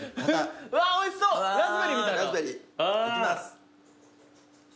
うわおいしそうラズベリーみたいな。いきます。